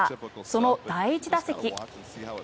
その第１打席。